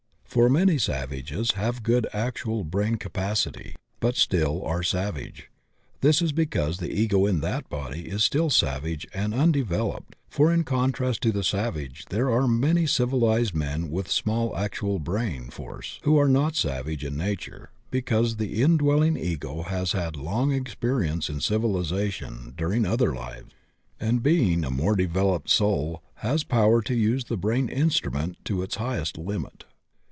For many savages have good actual brain capacity, but still are savage. This is because the Ego in that body is still savage and unde 82 THE OCEAN OF THEOSOPHY veloped, for in contrast to the savage there are many civilized men with small actual brain force who are not savage in nature because the indwelling Ego has had long experience in civilization during other lives, and being a more developed soul has power to use the brain instrument to its hi^est limit.